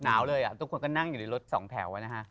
หนาวเลยทุกคนก็นั่งอยู่ในรถสองแถวนะฮะ